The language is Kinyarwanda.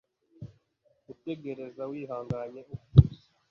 gutegereza wihanganye ukuza